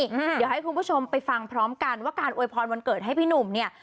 เดี๋ยวให้คุณผู้ชมไปฟังพร้อมกันว่าการอวยพรวันเกิดให้พี่หนุ่มเนี่ย